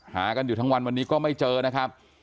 หากันอยู่ทั้งวันวันนี้ก็ไม่เจอนะครับ